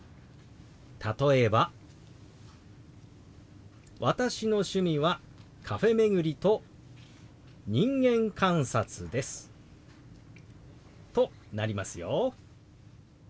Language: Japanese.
例えば「私の趣味はカフェ巡りと人間観察です」となりますよ。